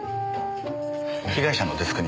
被害者のデスクに。